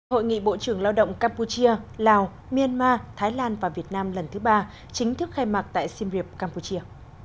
hội nghị bộ trưởng lao động campuchia lào myanmar thái lan và việt nam lần thứ ba chính thức khai mạc tại siem reap campuchia